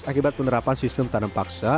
akibat penerapan sistem tanam paksa